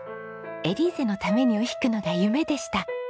『エリーゼのために』を弾くのが夢でした。